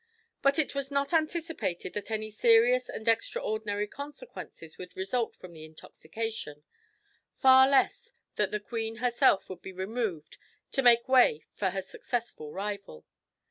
But it was not anticipated that any serious and extraordinary consequences would result from the intoxication far less that the queen herself would be removed to make way for her successful rival.